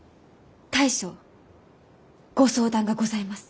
大将ご相談がございます。